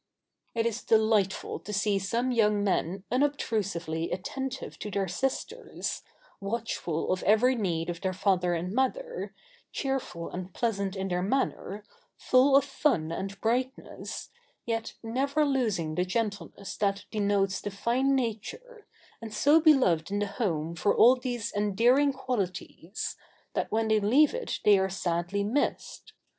] It is delightful to see some young men unobtrusively attentive to their sisters, watchful of every need of their father and mother, cheerful and pleasant in their manner, full of fun and brightness, yet never losing the gentleness that denotes the fine nature, and so beloved in the home for all these endearing qualities, that when they leave it they are sadly missed.